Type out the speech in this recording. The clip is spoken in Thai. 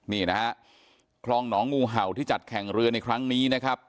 นี่นะฮะคลองหนองงูเห่าที่จัดแข่งเรือในครั้งนี้นะครับ